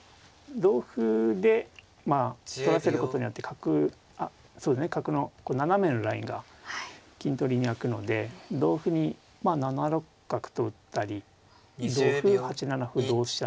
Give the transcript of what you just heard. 同歩でまあ取らせることによって角角の斜めのラインが金取りに開くので同歩に７六角と打ったり同歩８七歩同飛車